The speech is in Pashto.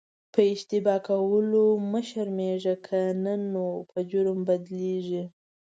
په اشتباه کولو مه شرمېږه که نه نو په جرم بدلیږي.